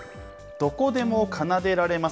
どこでも奏でられます。